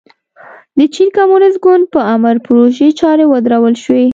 د چین کمونېست ګوند په امر پروژې چارې ودرول شوې.